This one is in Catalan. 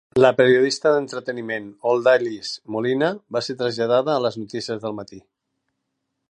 La periodista d'entreteniment Odalys Molina va ser traslladada a les notícies del matí.